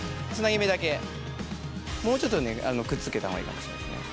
もうちょっとねくっつけた方がいいかもしれないですね。